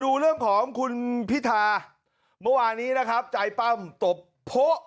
ดูเรื่องของคุณพิธาเมื่อวานี้นะครับใจปั้มตบโพะ